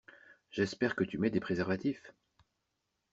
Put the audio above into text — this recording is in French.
J'espère que tu mets des préservatifs!